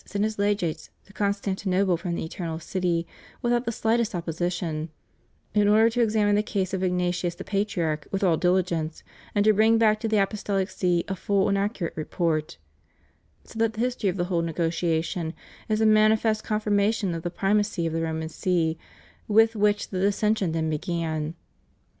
sent his legates to Con stantinople from the Eternal City, without the slightest opposition, "in order to examine the case of Ignatius the Patriarch with all dihgence, and to bring back to the ApostoUc See a full and accurate report"; so that the his tory of the whole negotiation is a manifest confirmation of the primacy of the Roman See with which the dissen sion then began.